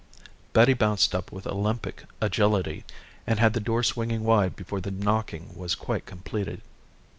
Betty bounced up with Olympic agility and had the door swinging wide before the knocking was quite completed.